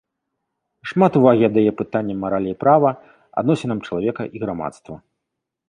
Шмат увагі аддае пытанням маралі і права, адносінам чалавека і грамадства.